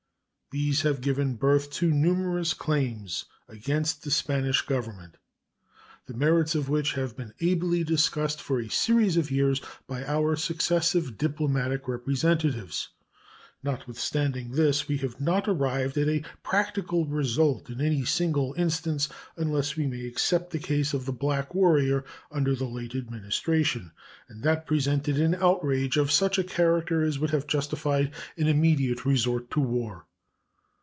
These have given birth to numerous claims against the Spanish Government, the merits of which have been ably discussed for a series of years by our successive diplomatic representatives. Notwithstanding this, we have not arrived at a practical result in any single instance, unless we may except the case of the Black Warrior, under the late Administration, and that presented an outrage of such a character as would have justified an immediate resort to war.